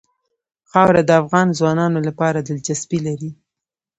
خاوره د افغان ځوانانو لپاره دلچسپي لري.